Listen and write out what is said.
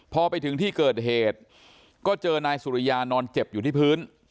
พอไปถึงที่เกิดเหตุก็เจอนายสุริยานอนเจ็บอยู่ที่พื้น